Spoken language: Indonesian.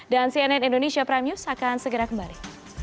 dan cnn indonesia prime news akan segera kembali